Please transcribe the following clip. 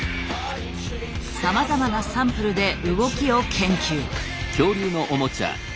さまざまなサンプルで動きを研究。